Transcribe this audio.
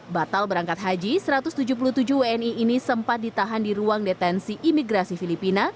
batal berangkat haji satu ratus tujuh puluh tujuh wni ini sempat ditahan di ruang detensi imigrasi filipina